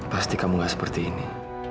pasti kamu gak seperti ini